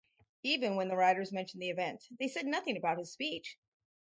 Even when the writers mentioned the event, they said nothing about his speech.